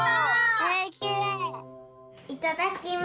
いただきます。